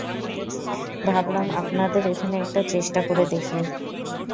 ভাবলাম আপনাদের এখানে একটা চেষ্টা করে দেখি।